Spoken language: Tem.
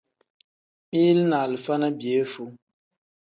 Mili ni alifa ni piyefuu.